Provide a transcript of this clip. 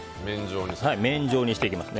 麺状にしていきます。